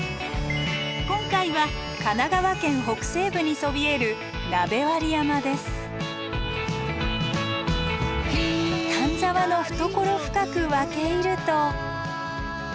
今回は神奈川県北西部にそびえる丹沢の懐深く分け入ると。